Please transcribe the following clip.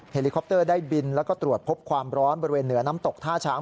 ลิคอปเตอร์ได้บินแล้วก็ตรวจพบความร้อนบริเวณเหนือน้ำตกท่าช้าง